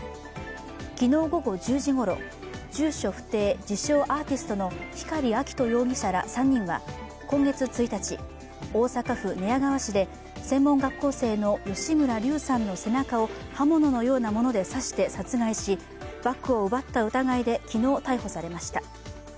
昨日午後１０時ごろ、住所不定・自称アーティストの光亮斗容疑者ら３人は今月１日大阪府寝屋川市で専門学校生の吉村竜さんの背中を刃物のようなもので刺して殺害し、バッグを奪った疑いで昨日、逮捕されました。